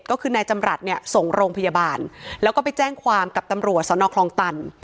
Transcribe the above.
ก็คือนายจำรัฐเนี่ยส่งโรงพยาบาลแล้วก็ไปแจ้งความกับตำรวจสนคลองตัน